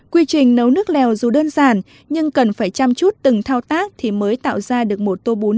quy trình nấu nước lèo dù đơn giản nhưng cần phải chăm chút từng thao tác thì mới tạo ra được một tô bún